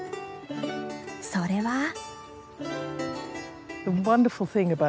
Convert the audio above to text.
それは。